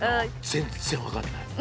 全然分かんない。